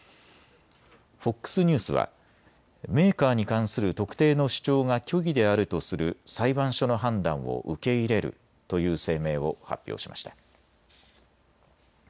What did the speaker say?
ＦＯＸニュースはメーカーに関する特定の主張が虚偽であるとする裁判所の判断を受け入れるという声明を発表しました。